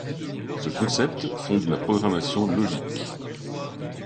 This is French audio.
Ce concept fonde la programmation logique.